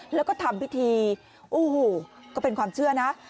แล้วก็ทำพิธีโอ้โหก็เป็นความเชื่อนะ